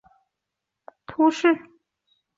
塞默莱人口变化图示